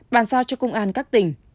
bàn sao cho công an các tỉnh